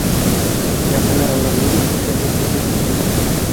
Яҡын арала ниндәй сәфәрҙәр көтә һеҙҙе?